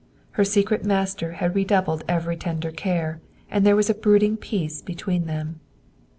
Her secret master had redoubled every tender care, and there was a brooding peace between them.